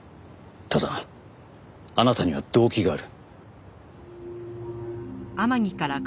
ただあなたには動機がある。